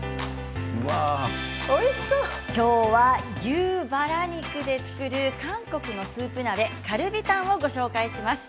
今日は牛バラ肉で作る韓国のスープ鍋カルビタンをご紹介します。